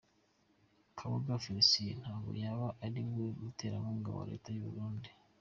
Kabuga Felicien ngo yaba ariwe muterankunga wa Leta y’u Burundi